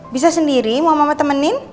bisa sendiri mau mau temenin